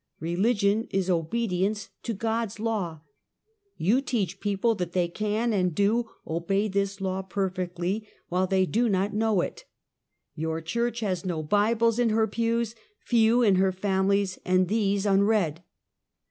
Religion is obedience to God's law. You teach people that they can, and do, obey this law perfectly, while they do not know it. Tour church has no bibles in her pews, few in her families, and these unread.